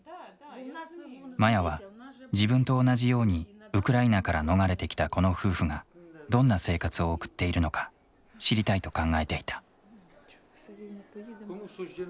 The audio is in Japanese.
マヤは自分と同じようにウクライナから逃れてきたこの夫婦がどんな生活を送っているのか知りたいと考えていた。